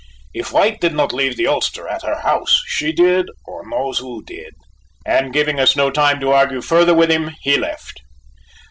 If White did not leave the ulster at her house, she did or knows who did!" and giving us no time to argue further with him, he left us.